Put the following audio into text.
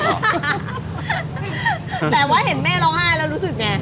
แต่ว่าเห็นแม่ร้องไห้แล้วรู้สึกไง